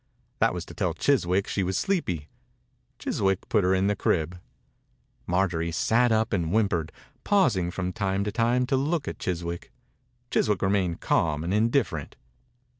That was to tell Chiswick she was sleepy. Chiswick put her in the crib. Marjorie sat up and whim pered, pausing from time to time to look at Chiswick. Chiswick remained calm and indifferent.